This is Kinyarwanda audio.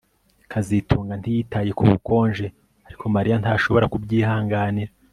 kazitunga ntiyitaye ku bukonje ariko Mariya ntashobora kubyihanganira